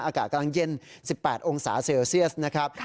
อากาศกำลังเย็น๑๘องศาเซลเซียสนะครับ